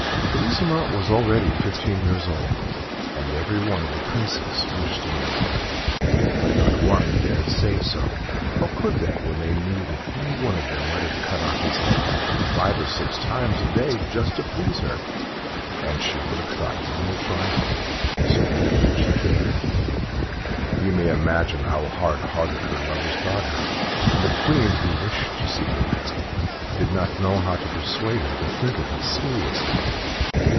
Bellissima was already fifteen years old, and every one of the Princes wished to marry her, but not one dared to say so. How could they when they knew that any of them might have cut off his head five or six times a day just to please her, and she would have thought it a mere trifle, so little did she care? You may imagine how hard hearted her lovers thought her; and the Queen, who wished to see her married, did not know how to persuade her to think of it seriously.